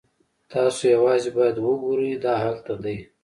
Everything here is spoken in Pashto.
تاسو یوازې باید وګورئ دا هلته دی